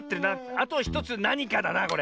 あと１つなにかだなこれ。